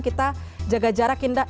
kita jaga jarak